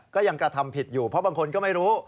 ก็ยังกระทำผิดอยู่เพราะบางคนก็ไม่รู้